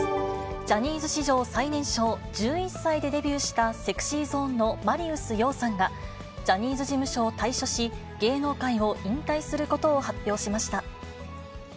ジャニーズ史上最年少、１１歳でデビューした、ＳｅｘｙＺｏｎｅのマリウス葉さんがジャニーズ事務所を退所し、芸能界を引退することを発表しました。